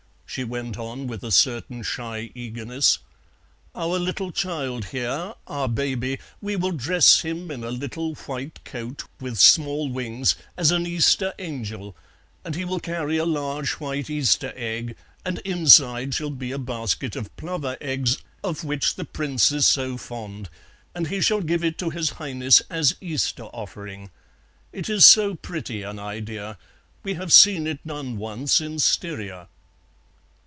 she went on, with a certain shy eagerness. "Our little child here, our baby, we will dress him in little white coat, with small wings, as an Easter angel, and he will carry a large white Easter egg, and inside shall be a basket of plover eggs, of which the Prince is so fond, and he shall give it to his Highness as Easter offering. It is so pretty an idea we have seen it done once in Styria."